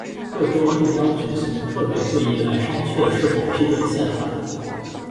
各州应邀举行特别会议来商榷是否批准宪法。